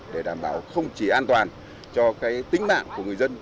để đảm bảo không chỉ an toàn cho tính mạng của người dân